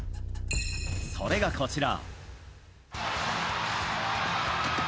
それがこちら。